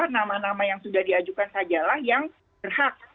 nama nama yang sudah diajukan sajalah yang berhak